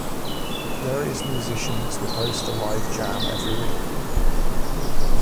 Various musicians would host the live jam every week.